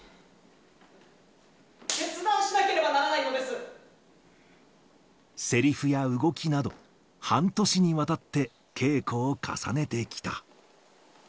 決断しなければならないのでせりふや動きなど、半年にわたって稽古を重ねてきた。